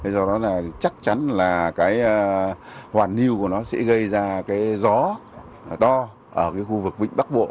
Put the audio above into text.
do đó chắc chắn là hoàn hưu của nó sẽ gây ra gió to ở khu vực vĩnh bắc bộ